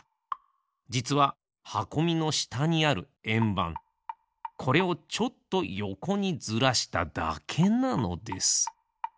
じつははこみのしたにあるえんばんこれをちょっとよこにずらしただけなのです。